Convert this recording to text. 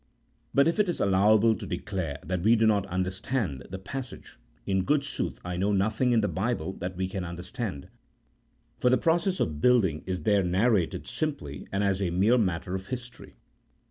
But if it is allowable to declare that we do not understand the passage, in good sooth I know nothing in the Bible that we can understand ; for the process of building is there narrated simply and as a mere matter of history.